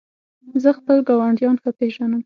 زه خپل ګاونډیان ښه پېژنم.